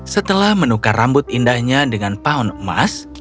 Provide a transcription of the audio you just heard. setelah menukar rambut indahnya dengan pound emas